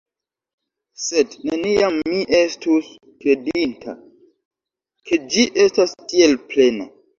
Sed neniam mi estus kredinta, ke ĝi estas tiel plena.